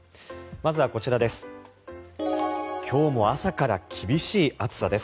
まずはこちらです。